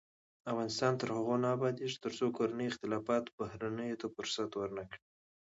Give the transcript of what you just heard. افغانستان تر هغو نه ابادیږي، ترڅو کورني اختلافات بهرنیو ته فرصت ورنکړي.